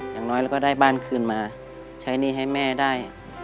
อย่างน้อยเราก็ได้บ้านคืนมาใช้หนี้ให้แม่ได้